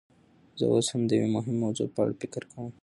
زه اوس د یوې مهمې موضوع په اړه فکر کوم.